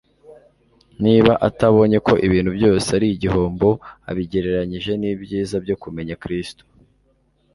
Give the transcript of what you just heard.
niba atabonye ko ibintu byose ari igihombo abigereranyije n'ibyiza byo kumenya Kristo.